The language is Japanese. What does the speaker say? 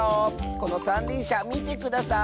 このさんりんしゃみてください。